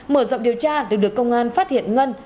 mở rộng điều tra được được công an phát hiện ngân